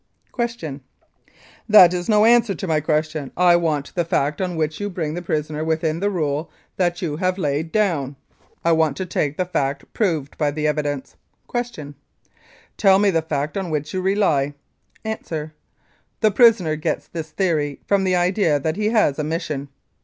Q. That is no answer to my question. I want the fact 218 Louis Riel: Executed for Treason on which you bring* the prisoner within the rule that you have laid down. A. I want to take the fact proved by the evidence. Q. Tell me the fact on which you rely. A. The prisoner gets his theory from the idea that he has a mission.